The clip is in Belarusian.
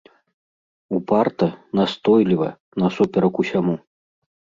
Упарта, настойліва, насуперак усяму.